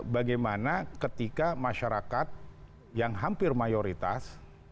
bagaimana ketika masyarakat yang hampir mayoritas